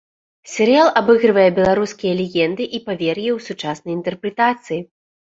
Серыял абыгрывае беларускія легенды і павер'і ў сучаснай інтэрпрэтацыі.